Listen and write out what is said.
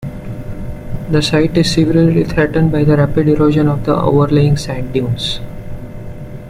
The site is severely threatened by the rapid erosion of the overlying sand dunes.